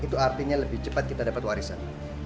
itu artinya lebih cepat kita dapat warisan